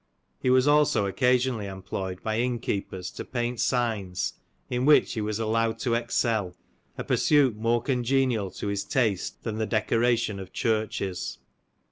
He was also occasionally employed by inn keepers to paint signs, in which he was allowed to excel; a pursuit more congenial to his taste than the decoration of churches.